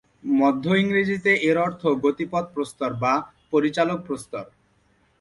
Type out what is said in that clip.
মধ্য ইংরেজিতে এর অর্থ "গতিপথ প্রস্তর" বা "পরিচালক প্রস্তর"।